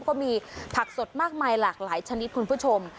ก็มีผักสดมากมายหลากหลายชนิดคุณผู้ชม